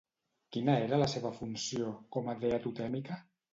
Quina era la seva funció com a dea totèmica?